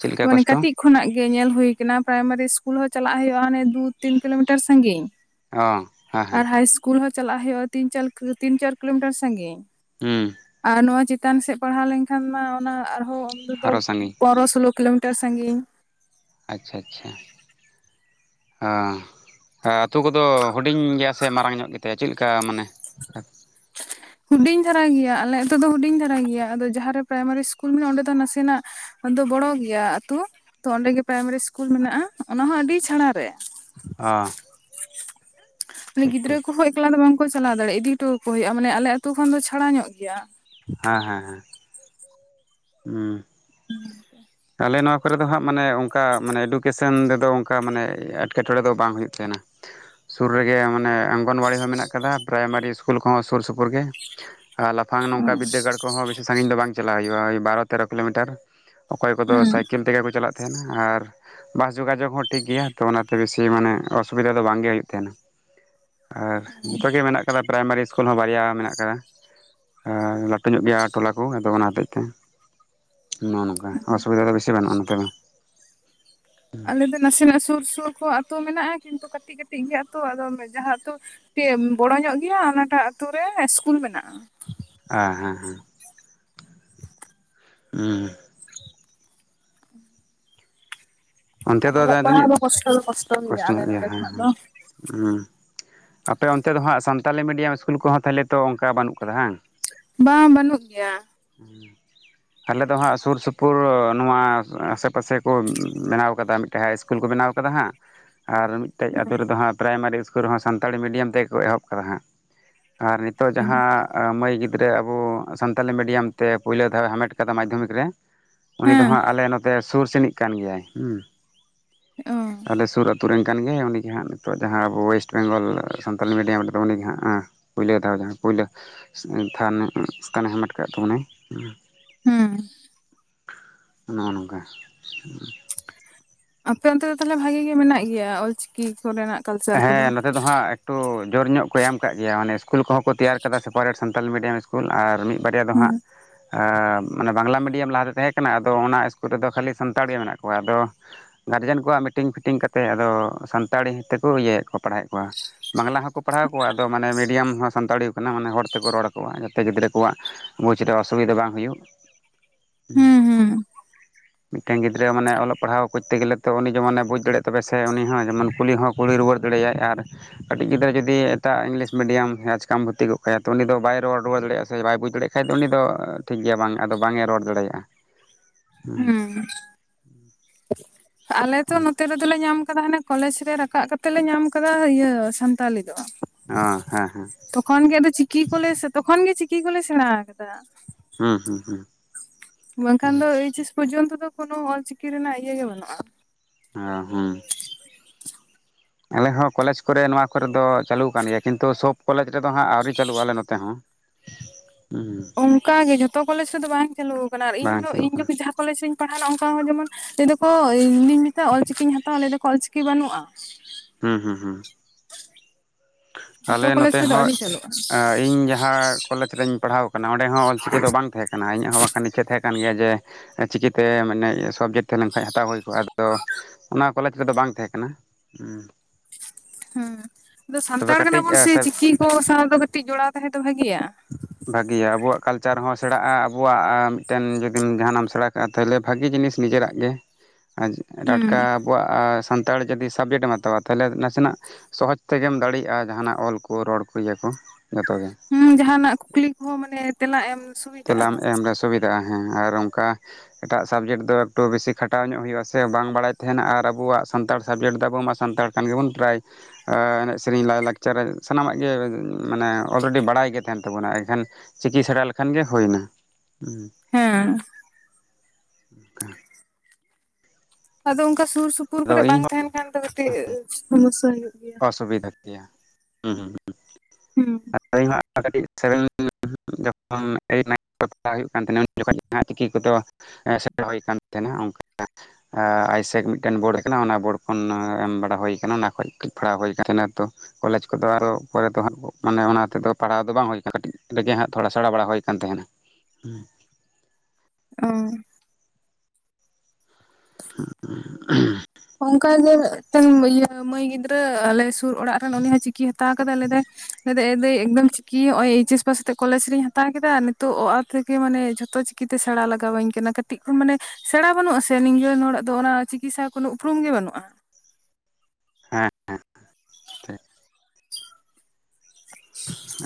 ᱪᱮᱫ ᱞᱮᱠᱟ
ᱢᱟᱱᱮ
ᱠᱚᱥᱴᱚ
ᱠᱟᱹᱴᱤᱡ ᱠᱷᱚᱱᱟᱜ ᱜᱮ ᱧᱮᱞ ᱦᱳᱭ ᱠᱟᱱᱟ ᱯᱨᱟᱭᱢᱟᱨᱤ ᱤᱥᱠᱩᱞ ᱦᱚᱸ ᱪᱟᱞᱟᱜ ᱦᱩᱭᱩᱜ-ᱟ ᱱᱤᱛ ᱫᱩ, ᱛᱤᱱ ᱠᱤᱞᱳ ᱢᱤᱴᱟᱨ ᱥᱟᱺᱜᱤᱧ,
ᱚ ᱦᱮᱸ ᱦᱮᱸ
ᱟᱨ ᱦᱟᱭ ᱤᱥ ᱠᱩᱞ ᱦᱚᱸ ᱪᱟᱞᱟᱜ ᱦᱩᱭᱩᱜ-ᱟ ᱛᱤᱱ ᱪᱟᱞ ᱛᱤᱱ ᱪᱟᱨ ᱠᱤᱞᱳ ᱢᱤᱴᱟᱨ ᱥᱟᱺᱜᱤᱧ᱾
ᱦᱩᱸ᱾
ᱟᱨ ᱱᱚᱣᱟ ᱪᱮᱛᱟᱱ ᱥᱮᱫ ᱯᱟᱲᱦᱟᱣ ᱞᱮᱱᱠᱷᱟᱱ ᱢᱟ ᱚᱱᱟ ᱟᱨᱦᱚᱸ
ᱟᱨᱚ ᱥᱟᱺᱜᱤᱧ
[unintelligible] ᱯᱚᱱᱨᱚ, ᱥᱳᱞᱳ ᱠᱤᱞᱳ ᱢᱤᱴᱟᱨ ᱥᱟᱺᱜᱤᱧ᱾
ᱟᱪᱪᱷᱟ ᱟᱪᱪᱷᱟ, ᱚᱸᱻ ᱟᱛᱳ ᱠᱚᱫᱚ ᱦᱩᱰᱤᱧ ᱜᱮᱭᱟ ᱥᱮ ᱢᱟᱨᱟᱝ ᱧᱚᱜ ᱜᱮᱛᱮ ᱪᱮᱫ ᱞᱮᱠᱟ ᱢᱟᱱᱮ?
ᱦᱩᱰᱤᱧ ᱫᱷᱟᱨᱟ ᱜᱮᱭᱟ ᱟᱞᱮ ᱟᱹᱛᱳ ᱫᱚ ᱦᱩᱰᱤᱧ ᱫᱷᱟᱨᱟ ᱜᱮᱭᱟ ᱟᱫᱚ ᱡᱟᱦᱟᱸ ᱨᱮ ᱯᱨᱟᱭᱢᱟᱨᱤ ᱤᱥᱠᱩᱞ ᱢᱮᱱᱟᱜ-ᱟ ᱚᱸᱰᱮ ᱫᱚ ᱱᱟᱥᱮᱱᱟᱜ ᱚᱱᱟ ᱫᱚ ᱵᱚᱲᱚ ᱜᱮᱭᱟ ᱟᱛᱩ, ᱛᱚ ᱚᱸᱰᱮ ᱜᱮ ᱯᱨᱟᱭᱢᱟᱨᱤ ᱤᱥᱠᱩᱞ ᱢᱮᱱᱟᱜ-ᱟ ᱚᱱᱟᱦᱚᱸ ᱟᱹᱰᱤ ᱪᱷᱟᱲᱟ ᱨᱮ᱾
ᱚᱸ᱾
ᱢᱟᱱᱮ ᱜᱤᱫᱽᱨᱟᱹ ᱠᱚᱦᱚᱸ ᱮᱠᱞᱟ ᱫᱚ ᱵᱟᱝ ᱠᱚ ᱪᱟᱞᱟᱣ ᱫᱟᱲᱮᱭᱟᱜ-ᱟ ᱤᱫᱤ ᱦᱚᱴᱚ ᱟᱠᱚ ᱦᱩᱭᱩᱜ-ᱟ, ᱢᱟᱱᱮ ᱟᱞᱮ ᱟᱛᱩ ᱠᱷᱚᱱ ᱫᱚ ᱪᱷᱟᱲᱟ ᱧᱚᱜ ᱜᱮᱭᱟ᱾
ᱦᱮᱸ ᱦᱮᱸ ᱦᱮᱸ᱾ ᱦᱩᱸ᱾
[inaudible]
ᱟᱞᱮ ᱱᱚᱣᱟ ᱠᱚᱨᱮ ᱫᱚ ᱦᱟᱸᱜ ᱢᱟᱱᱮ ᱚᱱᱠᱟ ᱢᱟᱱᱮ ᱮᱰᱩᱠᱮᱥᱚᱱ ᱨᱮᱫᱚ ᱚᱱᱠᱟ ᱢᱟᱱᱮ ᱮᱸᱴᱠᱮᱴᱚᱬᱮ ᱫᱚ ᱵᱟᱝ ᱦᱩᱭᱩᱜ ᱛᱟᱦᱮᱱᱟ, ᱥᱩᱨ ᱨᱮᱜᱮ ᱢᱟᱱᱮ ᱚᱝᱜᱚᱱᱵᱟᱲᱤ ᱦᱚᱸ ᱢᱮᱱᱟᱜ ᱠᱟᱫᱟ ᱯᱨᱟᱭᱢᱟᱨᱤ ᱤᱥᱠᱩᱞ ᱠᱚᱦᱚᱸ ᱥᱩᱨ ᱥᱩᱯᱩᱨ ᱜᱮ, ᱟᱨ ᱞᱟᱯᱷᱟᱝ ᱱᱚᱝᱠᱟ ᱵᱤᱫᱽᱫᱟᱹᱜᱟᱲ ᱠᱚᱦᱚᱸ ᱵᱤᱥᱤ ᱥᱟᱺᱜᱤᱧ ᱫᱚ ᱵᱟᱝ ᱪᱟᱞᱟᱜ ᱦᱩᱭᱩᱜ-ᱟ, ᱳᱭ ᱵᱟᱨᱚ ᱛᱮᱨᱚ ᱠᱤᱞᱳ ᱢᱤᱴᱟᱨ᱾ ᱚᱠᱚᱭ ᱠᱚᱫᱚ
ᱦᱩᱸ
ᱥᱟᱭᱠᱮᱞ ᱛᱮᱜᱮ ᱠᱚ ᱪᱟᱞᱟᱜ ᱛᱟᱦᱮᱱᱟ ᱟᱨ ᱵᱟᱥ ᱡᱳᱜᱟᱡᱚᱜᱽ ᱦᱚᱸ ᱴᱷᱤᱠ ᱜᱮᱭᱟ ᱛᱚ ᱚᱱᱟᱛᱮ ᱵᱤᱥᱤ ᱢᱟᱱᱮ ᱚᱥᱩᱵᱤᱫᱟ ᱫᱚ ᱵᱟᱝ ᱜᱮ ᱦᱩᱭᱩᱜ ᱛᱟᱦᱮᱱᱟ᱾ ᱟᱨ ᱡᱚᱛᱚ ᱜᱮ ᱢᱮᱱᱟᱜ ᱠᱟᱫᱟ, ᱯᱨᱟᱭᱢᱟᱨᱤ ᱤᱥᱠᱩᱞ ᱦᱚᱸ ᱵᱟᱨᱭᱟ ᱢᱮᱱᱟᱜ ᱟᱠᱟᱫᱟ᱾ ᱟᱨ ᱞᱟᱹᱴᱩ ᱧᱚᱜ ᱜᱮᱭᱟ ᱴᱚᱞᱟ ᱠᱚ ᱟᱫᱚ ᱚᱱᱟ ᱦᱚᱛᱮᱡ ᱛᱮ, ᱱᱚᱣᱟ ᱚᱥᱩᱵᱤᱫᱟ ᱫᱚ ᱵᱤᱥᱤ ᱵᱟᱱᱩᱜ-ᱟ ᱱᱚᱛᱮ ᱫᱚ᱾
ᱟᱞᱮ ᱫᱚ ᱱᱟᱥᱮᱱᱟᱜ ᱥᱩᱨ ᱥᱩᱨ ᱠᱚ ᱟᱛᱩ ᱢᱮᱱᱟᱜ-ᱟ ᱠᱤᱱᱛᱩ ᱠᱟᱹᱴᱤᱡ ᱠᱟᱹᱴᱤᱡ ᱜᱮ ᱟᱛᱳ ᱟᱫᱚ ᱡᱟᱦᱟᱸ ᱟᱛᱩ [unintelligible] ᱵᱚᱲᱚ ᱧᱚᱜ ᱜᱮᱭᱟ ᱚᱱᱟ ᱴᱟᱜ ᱟᱛᱩ ᱨᱮ ᱤᱥᱠᱩᱞ ᱢᱮᱱᱟᱜ-ᱟ᱾
ᱟ ᱦᱮᱸ ᱦᱮᱸ᱾ ᱦᱩᱸ᱾ ᱚᱱᱛᱮ ᱫᱚ ᱡᱟ
ᱚᱞᱚᱜ
ᱡᱟᱹᱱᱤᱡ
ᱯᱟᱲᱦᱟᱜ ᱫᱚ ᱠᱚᱥᱴᱚ ᱫᱚ
ᱠᱚᱥᱴᱚ
ᱟᱞᱮ
ᱧᱚᱜ ᱜᱮᱭᱟ,
ᱱᱚᱰᱮ
ᱦᱮᱸ
ᱠᱷᱚᱱᱟᱜ
ᱦᱮᱸ
ᱫᱚ
ᱩᱸ᱾ ᱟᱯᱮ ᱚᱱᱛᱮ ᱫᱚ ᱦᱟᱸᱜ ᱥᱟᱱᱛᱟᱞᱤ ᱢᱤᱰᱟᱢ ᱤᱥᱠᱩᱞ ᱠᱚᱦᱚᱸ ᱛᱟᱦᱚᱞᱮ ᱛᱚ ᱚᱱᱠᱟ ᱵᱟᱹᱱᱩᱜ ᱠᱟᱫᱟ ᱦᱟᱝ?
ᱵᱟᱝ ᱵᱟᱹᱱᱩᱜ ᱜᱮᱭᱟ᱾
ᱦᱩᱸ᱾ ᱟᱞᱮ ᱫᱚ ᱦᱟᱸᱜ ᱥᱩᱨ ᱥᱩᱯᱩᱨ ᱱᱚᱣᱟ ᱟᱥᱮ ᱯᱟᱥᱮ ᱠᱚ ᱵᱮᱱᱟᱣ ᱠᱟᱫᱟ, ᱢᱤᱫᱴᱟᱝ ᱦᱟᱭ ᱤᱥᱠᱩᱞ ᱠᱚ ᱵᱮᱱᱟᱣ ᱠᱟᱫᱟ ᱦᱟᱸᱜ ᱟᱨ ᱢᱤᱫᱴᱮᱡ ᱟᱛᱩ ᱨᱮᱫᱚ ᱦᱟᱸᱜ ᱯᱨᱟᱭᱢᱟᱨᱤ ᱤᱥ ᱠᱩᱞ ᱨᱮᱦᱚᱸ ᱥᱟᱱᱛᱟᱲᱤ ᱢᱤᱰᱤᱭᱟᱢ ᱛᱮ ᱠᱚ ᱮᱦᱚᱵ ᱠᱟᱫᱟ ᱦᱟᱸᱜ, ᱟᱨ ᱱᱤᱛᱚᱜ ᱡᱟᱦᱟᱸ ᱢᱟᱹᱭ ᱜᱤᱫᱽ ᱜᱤᱫᱽᱨᱟᱹ ᱟᱵᱚ ᱥᱟᱱᱛᱟᱞᱤ ᱢᱤᱰᱭᱟᱢ ᱛᱮ ᱯᱳᱭᱞᱳ ᱫᱷᱟᱣ ᱦᱟᱢᱮᱴ ᱟᱠᱟᱫᱟ ᱢᱟᱫᱽᱫᱷᱚᱢᱤᱠ ᱨᱮ ᱩᱱᱤ ᱫᱚ ᱦᱟᱸᱜ
ᱦᱮᱸ
ᱟᱞᱮ ᱱᱚᱛᱮ ᱥᱩᱨ ᱥᱮᱱᱤᱡ ᱠᱟᱱ ᱜᱮᱭᱟᱭ ᱦᱩᱸ᱾
ᱚᱸ᱾
ᱟᱞᱮ ᱥᱩᱨ ᱟᱛᱩ ᱨᱮᱱ ᱠᱟᱱ ᱜᱮᱭᱟᱭ ᱩᱱᱤᱜᱮ ᱦᱟᱸᱜ ᱱᱤᱛᱚᱜ ᱡᱟᱦᱟᱸ ᱟᱵᱚ ᱚᱭᱮᱥᱴ ᱵᱮᱝᱜᱚᱞ ᱥᱟᱱᱛᱟᱞᱤ ᱢᱤᱰᱤᱭᱟᱢ ᱨᱮᱫᱚ ᱩᱱᱤ ᱜᱮ ᱦᱟᱸᱜ ᱯᱳᱭᱞᱳ ᱫᱷᱟᱣ ᱡᱟᱦᱟᱸ ᱯᱳᱭᱞᱳ ᱛᱟᱱ ᱥᱛᱷᱟᱱᱮ ᱦᱟᱢᱮᱴ ᱠᱟᱜ ᱛᱟᱵᱚᱱᱟᱭ
ᱦᱩᱸ
ᱱᱚᱜᱼᱚ ᱱᱚᱝᱠᱟ
ᱟᱯᱮ ᱚᱱᱛᱮ ᱫᱚ ᱛᱟᱞᱦᱮ ᱵᱷᱟᱜᱤ ᱜᱮ ᱢᱮᱱᱟᱜ ᱜᱮᱭᱟ ᱚᱞ ᱪᱤᱠᱤ ᱠᱚᱨᱮᱱᱟᱜ ᱠᱟᱞᱪᱟᱨ ᱠᱚᱫᱚ
ᱦᱮᱸ ᱱᱚᱛᱮ ᱫᱚ ᱦᱟᱸᱜ ᱮᱠᱴᱩ ᱡᱳᱨ ᱧᱚᱜ ᱠᱚ ᱮᱢ ᱟᱠᱟᱜ ᱜᱮᱭᱟ ᱢᱟᱱᱮ ᱤᱥᱠᱩᱞ ᱠᱚᱦᱚᱸ ᱠᱚ ᱛᱮᱭᱟᱨ ᱠᱟᱫᱟ separate Santali medium school ᱟᱨ ᱢᱤᱫ ᱵᱟᱨᱮᱭᱟ ᱫᱚ
ᱦᱮᱸ
ᱦᱟᱸᱜ ᱟᱸ ᱵᱟᱝᱞᱟ ᱢᱤᱰᱤᱭᱟᱢ ᱞᱟᱦᱟᱛᱮ ᱛᱟᱦᱮᱸᱠᱟᱱᱟ ᱟᱫᱚ ᱚᱱᱟ ᱤᱥᱠᱩᱞ ᱨᱮᱫᱚ ᱠᱷᱟᱹᱞᱤ ᱥᱟᱱᱛᱟᱲ ᱜᱮ ᱢᱮᱱᱟᱜ ᱠᱚᱣᱟ ᱟᱫᱚ ᱜᱟᱨᱡᱮᱱ ᱠᱚᱣᱟᱜ ᱢᱤᱴᱤᱝ ᱯᱷᱤᱴᱤᱝ ᱠᱟᱛᱮᱫ ᱟᱫᱚ ᱥᱟᱱᱛᱟᱲᱤ ᱛᱮᱠᱚ ᱤᱭᱟᱹᱭ ᱠᱚ ᱯᱟᱲᱦᱟᱣᱮᱫ ᱠᱚᱣᱟ ᱵᱟᱝᱞᱟ ᱦᱚᱸᱠᱚ ᱯᱟᱲᱦᱟᱣ ᱠᱚᱣᱟ ᱟᱫᱚ ᱢᱟᱱᱮ ᱢᱤᱰᱤᱭᱟᱢ ᱦᱚᱸ ᱥᱟᱱᱛᱟᱲᱤ ᱠᱟᱱᱟ ᱢᱟᱱᱮ ᱦᱚᱲ ᱛᱮᱠᱚ ᱨᱚᱲ ᱟᱠᱚᱣᱟ ᱡᱟᱛᱮ ᱜᱤᱫᱽᱨᱟᱹ ᱠᱚᱣᱟᱜ ᱵᱩᱸᱡᱽᱨᱮ ᱚᱥᱩᱵᱤᱫᱷᱟ ᱵᱟᱝ ᱦᱩᱭᱩᱜ ᱦᱩᱸ
ᱦᱩᱸ ᱦᱩᱸ
ᱢᱤᱫᱴᱮᱱ ᱜᱤᱫᱽᱨᱟᱹ ᱢᱟᱱᱮ ᱚᱞᱚᱜ ᱯᱟᱲᱦᱟᱣ ᱠᱚᱨᱛᱮ ᱜᱮᱞᱮ ᱛᱚ ᱩᱱᱤ ᱡᱮᱢᱚᱱᱮ ᱵᱩᱡᱽ ᱫᱟᱲᱮᱭᱟᱜ ᱫᱚᱵᱮ ᱥᱮ ᱩᱱᱤ ᱦᱚᱸ ᱡᱮᱢᱚᱱ ᱠᱩᱞᱤᱳᱦᱚ ᱠᱩᱞᱤ ᱨᱩᱣᱟᱹᱲ ᱫᱟᱲᱮᱭᱟᱭ ᱟᱨ ᱠᱟᱹᱴᱤᱡ ᱜᱤᱫᱽᱨᱟᱹ ᱡᱩᱫᱤ ᱮᱴᱟᱜ ᱤᱝᱞᱤᱥ ᱢᱤᱰᱤᱭᱟᱢ ᱥᱮ ᱟᱪᱠᱟ ᱵᱷᱚᱨᱛᱤ ᱠᱚᱜ ᱠᱟᱭᱟ ᱩᱱᱤ ᱫᱚ ᱵᱟᱹᱭ ᱨᱚᱲ ᱨᱩᱣᱟᱹᱲ ᱫᱟᱲᱮᱼᱟ ᱥᱮ ᱵᱩᱡᱽ ᱫᱟᱲᱮᱭᱟᱜᱼᱟ᱾ ᱵᱟᱠᱷᱟᱡ ᱫᱚ ᱩᱱᱤ ᱫᱚ ᱴᱷᱤᱠ ᱜᱮᱭᱟ ᱵᱟᱝ ᱟᱫᱚ ᱵᱟᱝ ᱮ ᱨᱚᱲ ᱫᱟᱲᱮᱭᱟᱜᱼᱟ ᱦᱩᱸ
ᱦᱮᱸ ᱟᱞᱮ ᱛᱚ ᱱᱚᱛᱮ ᱨᱮᱫᱚ ᱟᱞᱮ ᱧᱟᱢ ᱟᱠᱟᱫᱟ ᱦᱟᱱᱮ ᱠᱚᱞᱮᱡᱽ ᱨᱮ ᱨᱟᱠᱟᱵ ᱠᱟᱛᱮᱜ ᱞᱮ ᱧᱟᱢ ᱟᱠᱟᱫᱟ ᱤᱭᱟᱹ ᱥᱟᱱᱛᱟᱞᱤ ᱫᱚ᱾
ᱳᱸ ᱦᱮᱸ ᱦᱮᱸ
ᱛᱚᱠᱷᱚᱱ ᱜᱮ ᱟᱫᱚ ᱪᱤᱠᱤ ᱠᱚᱞᱮ ᱛᱚᱠᱷᱚᱱ ᱜᱮ ᱪᱤᱠᱤ ᱠᱚᱞᱮ ᱥᱮᱬᱟ ᱟᱠᱟᱫᱟ᱾
ᱦᱩᱸ ᱦᱩᱸ ᱦᱩᱸ
ᱵᱟᱝᱠᱷᱟᱱ ᱫᱚ ᱮᱭᱤᱪ ᱮᱥ ᱯᱚᱨᱡᱚᱱᱛᱚ ᱫᱚ ᱠᱳᱱᱚ ᱚᱞᱪᱤᱠᱤ ᱨᱮᱱᱟᱜ ᱤᱭᱟᱹ ᱜᱮ ᱵᱟᱹᱱᱩᱜᱼᱟ᱾
ᱦᱩᱸ ᱦᱩᱸ ᱟᱞᱮ ᱦᱚᱸ ᱠᱳᱞᱮᱡᱽ ᱠᱚᱨᱮ ᱱᱚᱣᱟ ᱠᱚᱨᱮ ᱫᱚ ᱪᱟᱹᱞᱩ ᱠᱟᱱ ᱜᱮᱭᱟ ᱠᱤᱱᱛᱩ ᱥᱚᱵᱽ ᱠᱳᱞᱮᱡᱽ ᱨᱮᱫᱚ ᱦᱟᱸᱜ ᱟᱹᱣᱨᱤ ᱪᱟᱹᱞᱩᱜᱼᱟ ᱟᱞᱮ ᱱᱚᱛᱮ ᱦᱚᱸ᱾ [inaudible]
ᱳᱱᱠᱟ ᱜᱮ ᱡᱷᱚᱛᱚ ᱠᱳᱞᱮᱡᱽ ᱨᱮᱫᱚ ᱵᱟᱝ ᱪᱟᱹᱞᱩ ᱟᱠᱟᱱᱟ ᱟᱨ
ᱵᱟᱝ
ᱤᱧᱦᱚᱸ
ᱪᱟᱹᱞᱩᱜ
ᱤᱧ
ᱠᱟᱱᱟ
ᱡᱚᱠᱷᱚᱱ ᱡᱟᱦᱟᱸ ᱠᱳᱞᱮᱡᱽ ᱨᱤᱧ ᱯᱟᱲᱦᱟᱱ ᱳᱱᱠᱟ ᱦᱚᱸ ᱡᱮᱢᱚᱱ ᱞᱟᱹᱭ ᱫᱟᱠᱚ ᱤᱧᱫᱩᱧ ᱢᱮᱛᱟᱜᱼᱟ ᱚᱞᱪᱤᱠᱤᱧ ᱦᱟᱛᱟᱣᱟ ᱞᱟᱹᱭ ᱫᱟᱠᱚ ᱚᱞᱪᱤᱠᱤ ᱵᱟᱹᱱᱩᱜᱼᱟ᱾
ᱦᱩᱸ ᱦᱩᱸ ᱦᱩᱸ
ᱡᱷᱚᱛᱚ
ᱟᱞᱮ
ᱠᱚᱞᱮᱡᱽ
ᱱᱚᱛᱮ
ᱨᱮᱫᱚ
ᱦᱚᱸᱜ
ᱟᱹᱣᱨᱤ ᱪᱟᱹᱞᱩᱜᱼᱟ
ᱟᱡ ᱤᱧ ᱡᱟᱦᱟᱸ ᱠᱳᱞᱮᱡᱽ ᱨᱮᱧ ᱯᱟᱲᱦᱟᱣ ᱟᱠᱟᱱᱟ ᱚᱸᱰᱮ ᱦᱚᱸ ᱚᱞ ᱪᱤᱠᱤ ᱫᱚ ᱵᱟᱝ ᱛᱟᱦᱮᱸ ᱠᱟᱱᱟ ᱤᱧᱟᱹᱜ ᱦᱚᱸ ᱵᱟᱝᱠᱷᱟᱱ ᱤᱪᱷᱟᱹ ᱛᱟᱦᱮᱸ ᱠᱟᱱ ᱜᱮᱭᱟ ᱡᱮ ᱪᱤᱠᱤᱛᱮ ᱢᱟᱱᱮ ᱥᱚᱵᱽᱡᱮᱠᱴ ᱛᱟᱦᱮᱸ ᱞᱮᱱᱠᱷᱟᱡ ᱦᱟᱛᱟᱣ ᱦᱩᱭ ᱠᱚᱜᱼᱟ ᱟᱫᱚ ᱚᱱᱟ ᱠᱚᱞᱮᱡᱽ ᱨᱮᱫᱚ ᱵᱟᱝ ᱛᱟᱦᱮᱸ ᱠᱟᱱᱟ ᱦᱩᱸ
ᱦᱮᱸ ᱟᱫᱚ
ᱛᱚᱵᱮ
ᱥᱟᱱᱛᱟᱲ ᱠᱟᱱᱟ
ᱠᱟᱹᱴᱤᱡ
ᱵᱚᱱ ᱥᱮ ᱪᱤᱠᱤ ᱠᱚ ᱥᱟᱶ ᱫᱚ ᱠᱟᱹᱴᱤᱡ ᱡᱚᱲᱟᱣ ᱛᱟᱦᱮᱸ ᱫᱚ ᱵᱷᱟᱜᱮᱭᱟᱜᱼᱟ᱾
ᱵᱷᱟᱹᱜᱤᱭᱟ ᱟᱵᱚᱣᱟᱜ ᱠᱟᱞᱪᱟᱨ ᱦᱚᱸ ᱥᱮᱬᱟᱜᱼᱟ ᱟᱵᱚᱣᱟᱜ ᱢᱤᱫᱴᱮᱱ ᱡᱩᱫᱤᱢ ᱡᱟᱦᱟᱱᱟᱜ ᱮᱢ ᱥᱮᱬᱟ ᱛᱟᱦᱚᱞᱮ ᱵᱷᱟᱹᱜᱤ ᱡᱤᱱᱤᱥ ᱱᱤᱡᱮᱨᱟᱜ ᱜᱮ ᱟᱨ ᱴᱟᱴᱠᱟ
ᱦᱩᱸ᱾
ᱟᱵᱚᱣᱟᱜ ᱥᱟᱱᱛᱟᱲ ᱡᱩᱫᱤ ᱥᱟᱵᱽᱡᱮᱠᱴ ᱮᱢ ᱦᱟᱛᱟᱣᱟ ᱛᱟᱦᱚᱞᱮ ᱱᱟᱥᱮᱱᱟᱜ ᱥᱚᱦᱚᱡᱽ ᱛᱮᱜᱮᱢ ᱫᱟᱲᱮᱭᱟᱜ ᱼᱟ ᱡᱟᱦᱟᱱᱟᱜ ᱚᱞ ᱠᱚ ᱨᱚᱲ ᱠᱚ ᱤᱭᱟᱹ ᱠᱚ ᱡᱷᱚᱛᱚ ᱜᱮ
ᱦᱮᱸ ᱡᱟᱦᱱᱟᱜ ᱠᱩᱠᱞᱤ ᱠᱚᱦᱚᱸ ᱢᱟᱱᱮ ᱛᱮᱞᱟ ᱮᱢ ᱥᱩᱵᱤ
ᱛᱮᱞᱟᱢ ᱮᱢ ᱨᱮ ᱥᱩᱵᱤᱫᱷᱟᱜᱼᱟ ᱦᱮᱸ ᱟᱨ ᱚᱱᱠᱟ ᱮᱴᱟᱜ ᱥᱟᱵᱽᱡᱮᱠᱴ ᱫᱚ ᱮᱠᱴᱩ ᱵᱤᱥᱤ ᱠᱷᱟᱴᱟᱣ ᱧᱚᱜ ᱦᱩᱭᱩᱜᱼᱟ ᱥᱮ ᱵᱟᱝ ᱵᱟᱲᱟᱭ ᱛᱟᱦᱮᱱᱟ ᱟᱨ ᱟᱵᱚᱣᱟᱜ ᱥᱟᱱᱛᱟᱲ ᱥᱟᱵᱽᱡᱮᱠᱴ ᱫᱚ ᱟᱵᱚ ᱢᱟ ᱥᱟᱱᱛᱟᱲ ᱠᱟᱱ ᱜᱮᱵᱚᱱ ᱯᱨᱟᱭ ᱮ ᱮᱱᱮᱡ ᱥᱮᱨᱮᱧ ᱞᱟᱹᱭ-ᱞᱟᱠᱪᱟᱨ ᱥᱟᱱᱟᱢᱟᱜ ᱜᱮ ᱢᱟᱱᱮ ᱳᱞᱨᱮᱰᱤ ᱵᱟᱲᱟᱭ ᱜᱮ ᱛᱟᱦᱮᱱ ᱛᱟᱵᱚᱱᱟ ᱮᱱᱠᱷᱟᱱ ᱪᱤᱠᱤ ᱥᱮᱬᱟ ᱞᱮᱠᱷᱟᱱ ᱜᱮ ᱦᱩᱭᱱᱟ᱾
ᱦᱮᱸ
ᱚᱱᱠᱟ
ᱟᱫᱚ ᱳᱱᱠᱟ ᱥᱩᱨ-ᱥᱩᱯᱩᱨ
ᱟᱫᱚ
ᱠᱚᱨᱮ ᱵᱟᱝ
ᱤᱧᱦᱚᱸ
ᱛᱟᱦᱮᱱ ᱠᱟᱱ ᱫᱚ ᱠᱟᱹᱴᱤᱡ ᱥᱚᱢᱚᱥᱥᱟ ᱦᱩᱭᱩᱜ ᱜᱮᱭᱟ᱾
ᱚᱥᱩᱵᱤᱫᱷᱟᱜ ᱜᱮᱭᱟ, ᱦᱩᱸ ᱦᱩᱸ ᱦᱩᱸ
ᱦᱩᱸ
ᱟᱹᱞᱤᱧ ᱦᱚᱸ ᱠᱟᱹᱴᱤᱡ ᱥᱮᱨᱮᱧ ᱞᱤᱧ ᱡᱚᱠᱷᱚᱱ ᱮᱭᱤᱴ ᱱᱟᱭᱤᱱ ᱦᱩᱭᱩᱜ ᱠᱟᱱ ᱛᱟᱦᱮᱱᱟ ᱩᱱ ᱡᱚᱠᱷᱚᱱ ᱡᱟᱦᱟᱸ ᱪᱤᱠᱤ ᱠᱚᱫᱚ ᱮᱸ, ᱥᱮᱬᱟ ᱦᱩᱭ ᱠᱟᱱ ᱛᱟᱦᱮᱱᱟ ᱚᱝᱠᱟ, ᱟᱭᱥᱮᱠ ᱢᱤᱫᱴᱮᱱ ᱵᱳᱲ ᱟᱠᱟᱱᱟ ᱚᱱᱟ ᱵᱳᱲ ᱠᱷᱚᱱ᱾ ᱮᱢ ᱵᱟᱲᱟ ᱦᱩᱭ ᱠᱟᱱᱟ, ᱚᱱᱟ ᱠᱷᱚᱡ ᱠᱟᱺᱪ ᱯᱟᱲᱦᱟᱣ ᱦᱩᱭ ᱠᱟᱱ ᱛᱟᱦᱮᱱᱟ ᱛᱚ᱾ ᱠᱚᱞᱮᱡᱽ ᱠᱚᱫᱚ ᱟᱨᱚ ᱯᱚᱨᱮ ᱫᱚ ᱦᱟᱸᱜ ᱢᱟᱱᱮ ᱚᱱᱟ ᱛᱮᱫᱚ ᱯᱟᱲᱦᱟᱣ ᱫᱚ ᱵᱟᱝ ᱦᱩᱭ ᱠᱟᱱᱟ ᱠᱟᱹᱴᱤᱡ ᱨᱮᱜᱮ ᱦᱟᱸᱜ ᱛᱷᱚᱲᱟ ᱥᱮᱬᱟ ᱵᱟᱲᱟ ᱦᱩᱭ ᱠᱟᱱ ᱛᱟᱦᱮᱱᱟ᱾ ᱦᱩᱸ᱾
ᱚ᱾
[inaudible]
ᱚᱝᱠᱟ ᱜᱮ ᱢᱮᱫᱴᱮᱱ ᱤᱭᱟᱹ ᱢᱟᱹᱭ ᱜᱤᱫᱽᱨᱟᱹ ᱟᱞᱮ ᱥᱩ ᱤᱥᱠᱩᱞ ᱚᱲᱟᱜ ᱨᱮᱱ ᱩᱱᱤ ᱦᱚᱸ ᱪᱤᱠᱤ ᱦᱟᱛᱟᱣ ᱠᱟᱫᱟᱭ ᱞᱟᱹᱭᱫᱟᱭ ᱮ ᱫᱟᱹᱭ ᱮᱠᱫᱚᱢ ᱪᱤᱠᱤ ᱦᱚᱸᱜ-ᱚᱭ ᱮᱭᱤᱪᱮᱥ ᱯᱟᱥ ᱠᱛᱮᱜ ᱠᱚᱞᱮᱡᱽ ᱨᱤᱧ ᱦᱟᱛᱟᱣ ᱠᱮᱫᱟ ᱱᱤᱛᱚᱜ ᱚ-ᱟ ᱛᱷᱮᱠᱮ ᱢᱟᱱᱮ ᱡᱷᱚᱛᱚ ᱪᱤ ᱠᱤ ᱛᱮ ᱥᱮᱬᱟ ᱞᱟᱜᱟᱣᱟᱹᱧ ᱠᱟᱱᱟ᱾ ᱠᱟᱹᱴᱤᱡ ᱠᱷᱚᱱ ᱢᱟᱱᱮ ᱥᱮᱬᱟ ᱵᱟᱹᱱᱩᱜ-ᱟ ᱥᱮ ᱱᱤᱝᱠᱟᱹᱱ ᱦᱚᱲᱟᱜ ᱫᱚ ᱚᱱᱟ ᱪᱤᱠᱤ ᱥᱟᱶ ᱠᱳᱱᱳ ᱩᱯᱨᱩᱢ ᱜᱮ ᱵᱟᱹᱱᱩᱜᱼᱟ᱾
ᱦᱮᱸ ᱴᱷᱤᱠ᱾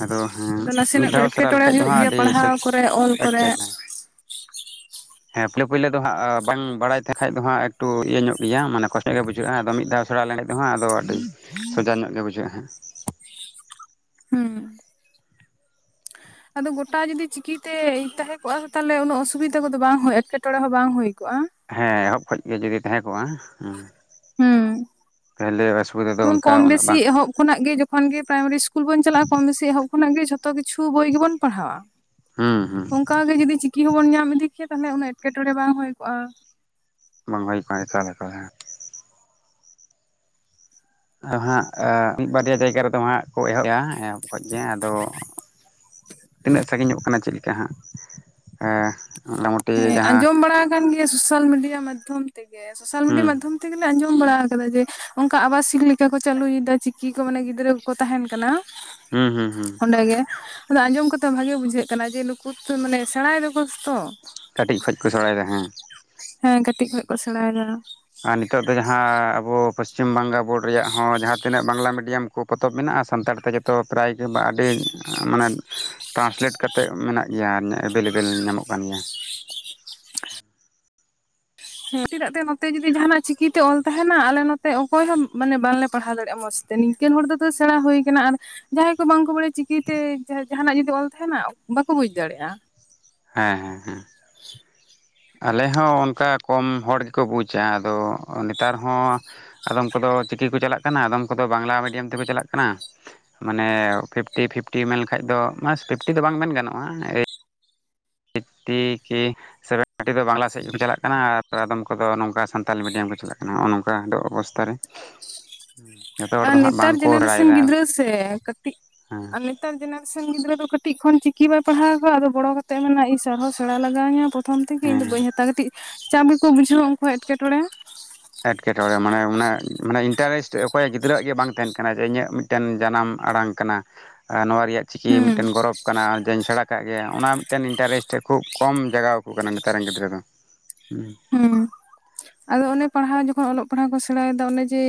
ᱟᱫᱚ ᱦᱮᱸ
ᱟᱫᱚ
ᱢᱤᱫ
ᱱᱟᱥᱮᱱᱟᱜ ᱫᱚ
ᱫᱷᱟᱣ ᱥᱮᱬᱟ
ᱮᱴᱠᱮᱴᱚᱬᱮ
ᱞᱮᱠᱷᱟᱡ ᱫᱚ
ᱦᱩᱭᱩᱜ
ᱦᱟᱸᱜ
ᱜᱮᱭᱟ
ᱟᱹᱰᱤ
ᱯᱟᱲᱦᱟᱣ
ᱥᱚᱡ
ᱠᱚᱨᱮ ᱚᱞ ᱠᱚᱨᱮ᱾
ᱮᱴᱠᱮ ᱦᱮᱸ ᱯᱳᱭᱞᱳ ᱯᱳᱭᱞᱳ ᱫᱚ ᱦᱟᱸᱜ ᱵᱟᱝ ᱵᱟᱲᱟᱭ ᱛᱮ ᱠᱷᱟᱡ ᱫᱚ ᱦᱟᱸᱜ ᱮᱠᱴᱩ ᱤᱭᱟᱹ ᱧᱚᱜ ᱜᱮᱭᱟ ᱢᱟᱱᱮ ᱠᱚᱥᱴᱚ ᱧᱚᱜ ᱜᱮ ᱵᱩᱡᱷᱟᱹᱜᱼᱟ ᱟᱫᱚ ᱢᱤᱫ ᱫᱷᱟᱣ ᱥᱮᱬᱟ ᱞᱮᱱ ᱠᱷᱟᱡ ᱫᱚ ᱦᱟᱸᱜ ᱟᱫᱚ ᱟᱹᱰᱤ ᱥᱚᱡᱟ ᱧᱚᱜ ᱜᱮ ᱵᱩᱡᱷᱟᱹᱜᱼᱟ ᱦᱟᱸᱜ᱾
ᱦᱩᱸ᱾ ᱟᱫᱚ ᱜᱚᱴᱟ ᱡᱩᱫᱤ ᱪᱤᱠᱤᱛᱮ ᱛᱟᱦᱮᱸ ᱠᱚᱜᱼᱟ ᱛᱟᱦᱞᱮ ᱩᱱᱟᱹᱜ ᱚᱥᱩᱵᱤᱫᱷᱟ ᱠᱚᱫᱚ ᱵᱟᱝ ᱦᱳᱭ ᱮᱴᱠᱮᱴᱚᱬᱮ ᱦᱚᱸ ᱵᱟᱝ ᱦᱩᱭ ᱠᱚᱜ-ᱟ᱾
ᱦᱮᱸ ᱮᱦᱚᱵ ᱠᱷᱚᱡ ᱜᱮ ᱡᱩᱫᱤ ᱛᱟᱦᱮᱸ ᱠᱚᱜ-ᱟ ᱦᱩᱸ᱾
ᱦᱩᱸ᱾
ᱛᱟᱦᱞᱮ ᱚᱥᱩᱵᱤᱫᱟ ᱫᱚ
ᱡᱮᱢᱚᱱ
ᱚᱱᱠᱟ
ᱠᱚᱢ
ᱩᱱᱟᱹᱜ
ᱵᱮᱥᱤ
ᱵᱟᱝ
ᱮᱦᱚᱵ ᱠᱷᱚᱱᱟᱜ ᱜᱮ ᱡᱚᱠᱷᱚᱱ ᱜᱮ ᱯᱨᱟᱭᱢᱟᱨᱤ ᱤᱥᱠᱩᱞ ᱵᱚᱱ ᱪᱟᱞᱟᱜᱼᱟ ᱠᱚᱢ ᱵᱮᱥᱤ ᱮᱦᱚᱵ ᱠᱷᱚᱱᱟᱜ ᱜᱮ ᱡᱷᱚᱛᱚ ᱠᱤᱪᱷᱩ ᱵᱳᱭ ᱜᱮᱵᱚᱱ ᱯᱟᱲᱦᱟᱣᱟ᱾
ᱦᱩᱸ ᱦᱩᱸ
ᱚᱱᱠᱟᱜ ᱜᱮ ᱡᱩᱫᱤ ᱪᱤᱠᱤ ᱦᱚᱸᱵᱚᱱ ᱧᱟᱢ ᱤᱫᱤ ᱠᱮᱭᱟ, ᱛᱟᱦᱚᱞᱮ ᱩᱱᱟᱹᱜ ᱮᱴᱠᱮᱴᱚᱬᱮ ᱵᱟᱝ ᱦᱩᱭ ᱠᱚᱜᱼᱟ᱾
ᱵᱟᱝ ᱦᱩᱭ ᱠᱚᱜ-ᱟ, ᱮᱠᱟᱞ ᱮᱠᱟᱞ ᱦᱮᱸ᱾ ᱟᱫᱚ ᱦᱟᱸᱜ ᱟᱻ ᱢᱤᱫ ᱵᱟᱨᱭᱟ ᱡᱟᱭᱜᱟ ᱨᱮᱫᱚ ᱦᱟᱸᱜ ᱠᱚ ᱮᱦᱚᱵ ᱮᱜ-ᱟ ᱮᱦᱚᱵ ᱠᱷᱚᱱᱴᱡ ᱜᱮ ᱟᱫᱚ ᱛᱤᱱᱟᱹᱜ ᱥᱟᱺᱜᱤᱧᱚᱜ ᱠᱟᱱᱟ ᱪᱮᱫ ᱞᱮᱠᱟ ᱦᱟᱸᱜ? ᱮᱸ,
ᱦᱮᱸ ᱟᱸᱡᱚᱢ ᱵᱟᱲᱟ ᱟᱠᱟᱱ ᱜᱮᱭᱟ ᱥᱳᱥᱟᱞ ᱢᱤᱰᱤᱭᱟ ᱢᱟᱫᱽᱫᱷᱚᱢ ᱛᱮᱜᱮ᱾ ᱥᱳᱥᱟᱞ ᱢᱤᱰᱤᱭᱟ
ᱦᱩᱸ
ᱢᱟᱫᱽᱫᱷᱚᱢ ᱛᱮᱜᱮᱞᱮ ᱟᱸᱡᱚᱢ ᱵᱟᱲᱟ ᱠᱟᱫᱟ ᱡᱮ ᱚᱝᱠᱟ ᱟᱵᱟᱥᱤᱠ ᱞᱮᱠᱟ ᱠᱚ ᱪᱟᱹᱞᱩᱭᱮᱫᱟ ᱪᱤᱠᱤ ᱠᱚ ᱢᱟᱱᱮ ᱜᱤᱫᱽᱨᱟᱹ ᱠᱚᱠᱚ ᱛᱟᱦᱮᱱ ᱠᱟᱱᱟ᱾
ᱦᱩᱸ, ᱦᱩᱸ, ᱦᱩᱸ᱾
ᱚᱸᱰᱮᱜᱮ ᱟᱫᱚ ᱟᱸᱡᱚᱢ ᱠᱟᱛᱮ ᱦᱚᱸ ᱵᱷᱟᱜᱮ ᱵᱩᱡᱷᱟᱹᱜ ᱠᱟᱱᱟ, ᱡᱮ ᱱᱩᱠᱩ ᱢᱟᱱᱮ ᱥᱮᱬᱟᱭ ᱫᱚᱠᱚ ᱛᱚ᱾
ᱠᱟᱹᱴᱤᱡ ᱠᱷᱚᱡ ᱠᱚ ᱥᱮᱬᱟᱭᱫᱟ ᱦᱮᱸ᱾
ᱦᱮᱸ ᱠᱟᱹᱴᱤᱡ ᱠᱷᱚᱡ ᱠᱚ ᱥᱮᱬᱟᱭᱫᱟ᱾
ᱟᱨ ᱱᱤᱛᱳᱜ ᱫᱚ ᱡᱟᱦᱟᱸ ᱟᱵᱚ ᱯᱚᱥᱪᱤᱢ ᱵᱟᱝᱞᱟ ᱵᱳᱨᱰ ᱨᱮᱭᱟᱜ ᱦᱚᱸ ᱡᱟᱦᱟᱸ ᱛᱤᱱᱟᱹᱜ ᱵᱟᱝᱞᱟ ᱢᱤᱰᱤᱭᱟᱢ ᱠᱚ ᱯᱚᱛᱚᱵ ᱢᱮᱱᱟᱜᱼᱟ ᱥᱟᱱᱛᱟᱲᱛᱮ ᱡᱚᱛᱚ ᱯᱨᱟᱭ ᱜᱮ ᱟᱹᱰᱤ ᱢᱟᱱᱮ ᱴᱨᱟᱱᱥᱞᱮᱴ ᱠᱟᱛᱮᱫ ᱢᱮᱱᱟᱜ ᱜᱮᱭᱟ, ᱮᱵᱮᱞᱮᱵᱮᱞ ᱧᱟᱢᱚᱜ ᱠᱟᱱ ᱜᱮᱭᱟ᱾
ᱦᱮᱸ ᱪᱮᱫᱟᱜ ᱛᱮ ᱱᱚᱛᱮ ᱡᱩᱫᱤ ᱡᱟᱸᱦᱟᱱᱟᱜ ᱪᱤᱠᱤ ᱛᱮ ᱚᱞ ᱛᱟᱦᱮᱱᱟ ᱟᱞᱮ ᱱᱚᱛᱮ ᱚᱠᱚᱭ ᱦᱚᱸ ᱢᱟᱱᱮ ᱵᱟᱝᱞᱮ ᱯᱟᱲᱦᱟᱣ ᱫᱟᱲᱮᱭᱟᱜᱼᱟ ᱢᱚᱸᱡᱽ ᱛᱮ᱾ ᱱᱤᱝᱠᱟᱹᱱ ᱦᱚᱲ ᱫᱚᱛᱚ ᱥᱮᱬᱟ ᱦᱩᱭ ᱠᱟᱱᱟ ᱟᱨ ᱡᱟᱦᱟᱸᱭ ᱠᱚ ᱵᱟᱝᱠᱚ ᱵᱟᱲᱟᱭᱟ ᱪᱤᱠᱤᱛᱮ ᱡᱟᱸᱦᱟᱱᱟᱜ ᱡᱩᱫᱤ ᱚᱞ ᱛᱟᱸᱦᱮᱱᱟ, ᱵᱟᱠᱚ ᱵᱩᱡ ᱫᱟᱲᱮᱭᱟᱜᱼᱟ᱾
ᱦᱮᱸ ᱦᱮᱸ ᱦᱮᱸ᱾
[inaudible]
ᱟᱞᱮ ᱦᱚᱸ ᱚᱱᱠᱟ ᱠᱚᱢ ᱦᱚᱲ ᱜᱮᱠᱚ ᱵᱩᱡᱟ ᱟᱫᱚ ᱱᱮᱛᱟᱨ ᱦᱚᱸ ᱟᱫᱚᱢ ᱠᱚᱫᱚ ᱪᱤᱠᱤ ᱠᱚ ᱪᱟᱞᱟᱜ ᱠᱟᱱᱟ, ᱟᱫᱚᱢ ᱠᱚᱫᱚ ᱵᱟᱝᱞᱟ ᱢᱤᱰᱤᱭᱟᱢ ᱛᱮᱠᱚ ᱪᱟᱞᱟᱜ ᱠᱟᱱᱟ᱾ ᱢᱟᱱᱮ ᱯᱷᱤᱯᱴᱤ ᱯᱷᱤᱯᱴᱤ ᱢᱮᱱ ᱞᱮᱠᱷᱟᱡ ᱫᱚ ᱢᱟᱥᱴ ᱯᱷᱤᱯᱴᱤ ᱫᱚ ᱵᱟᱝ ᱢᱮᱱ ᱜᱟᱱᱚᱜᱼᱟ᱾ ᱮᱻ ᱮᱭᱤᱴᱴᱤ ᱠᱤ ᱥᱮᱵᱷᱮᱱᱴᱤ ᱫᱚ ᱵᱟᱝᱞᱟ ᱥᱮᱫ ᱜᱮᱠᱚ ᱪᱟᱞᱟᱜ ᱠᱟᱱᱟ ᱟᱨ ᱟᱫᱚᱢ ᱠᱚᱫᱚ ᱱᱚᱝᱠᱟ ᱥᱟᱱᱛᱟᱞᱤ ᱢᱤᱰᱤᱭᱟᱢ ᱠᱚ ᱪᱟᱞᱟᱜ ᱠᱟᱱᱟ ᱦᱚᱸᱜᱼᱚ ᱱᱚᱝᱠᱟ ᱫᱚ ᱚᱵᱚᱥᱛᱟ ᱨᱮ᱾ [inaudible] ᱡᱚᱛᱚ ᱦᱚᱲ
ᱟᱨ
ᱫᱚ ᱦᱟᱸᱜ
ᱱᱮᱛᱟᱨ
ᱵᱟᱝᱠᱚ
ᱡᱮᱱᱟᱨᱮᱥᱮᱱ
ᱵᱟᱲᱟᱭᱮᱫᱟ
ᱜᱤᱫᱽᱨᱟᱹ ᱥᱮ ᱠᱟᱹᱴᱤᱡ
ᱦᱮᱸ
ᱟᱞᱮ ᱱᱮᱛᱟᱨ ᱡᱮᱱᱟᱨᱮᱥᱮᱱ ᱜᱤᱫᱽᱨᱟᱹ ᱫᱚ ᱠᱟᱹᱴᱤᱡ ᱠᱷᱚᱱ ᱪᱤᱠᱤ ᱵᱟᱭ ᱯᱟᱲᱦᱟᱣ ᱠᱚᱣᱟ, ᱟᱫᱚ ᱵᱚᱲᱚ ᱠᱟᱛᱮ ᱢᱮᱱᱟ ᱤᱥ ᱟᱨᱦᱚᱸ ᱥᱮᱬᱟ ᱞᱟᱜᱟᱣᱤᱧᱟᱹ ᱯᱚ ᱯᱨᱚᱛᱷᱚᱢ ᱛᱷᱮᱠᱮ ᱤᱧᱫᱚ
ᱦᱮᱸ
ᱵᱟᱹᱧ ᱦᱟᱛᱟᱣ-ᱟ ᱠᱟᱹᱴᱤᱡ ᱪᱟᱯ ᱜᱮᱠᱚ ᱵᱩᱡᱷᱟᱹᱣᱟ ᱩᱝᱠᱩ ᱦᱚᱸ ᱮᱴᱠᱮᱴᱚᱬᱮ᱾
ᱮᱴᱠᱮᱴᱚᱬᱮ ᱢᱟᱱᱮ ᱚᱱᱮ ᱢᱟᱱᱮ ᱤᱱᱴᱟᱨᱮᱥᱴ ᱚᱠᱚᱭ ᱜᱤᱫᱽᱨᱟᱹᱣᱟᱜ ᱜᱮ ᱵᱟᱝ ᱛᱟᱦᱮᱱ ᱠᱟᱱᱟ ᱡᱮ ᱤᱧᱟᱹᱜ ᱢᱤᱫᱴᱮᱱ ᱡᱟᱱᱟᱢ ᱟᱲᱟᱝ ᱠᱟᱱᱟ ᱱᱚᱣᱟ ᱨᱮᱭᱟᱜ ᱪᱤᱠᱤ
ᱦᱩᱸ
ᱢᱤᱫᱴᱮᱱ ᱜᱚᱨᱚᱵᱽ ᱠᱟᱱᱟ ᱡᱮᱧ ᱥᱮᱬᱟ ᱠᱟᱜ ᱜᱮᱭᱟ ᱚᱱᱟ ᱢᱤᱫᱴᱮᱱ ᱤᱱᱴᱟᱨᱮᱥᱴ ᱠᱷᱩᱵ ᱠᱚᱢ ᱡᱟᱜᱟᱣ ᱟᱠᱚ ᱠᱟᱱᱟ ᱱᱮᱛᱟᱨ ᱨᱮᱱ ᱜᱤᱫᱽᱨᱟᱹ ᱫᱚ᱾ ᱦᱢ
ᱦᱢ ᱟᱫᱚ ᱚᱱᱮ ᱯᱟᱲᱦᱟᱣ ᱡᱚᱠᱷᱚᱱ ᱚᱞᱚᱜ ᱯᱟᱲᱦᱟᱜ ᱠᱚ ᱥᱮᱬᱟᱭᱫᱟ ᱚᱱᱮ ᱡᱮ